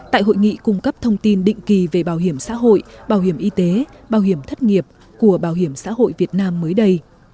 tại hội nghị cung cấp thông tin định kỳ về bảo hiểm xã hội bảo hiểm y tế bảo hiểm thất nghiệp của bảo hiểm xã hội việt nam mới đây